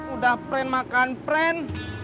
udah pren makan pren